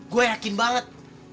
gua yakin banget